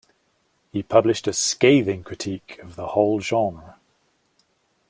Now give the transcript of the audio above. He published a scathing critique of the whole genre.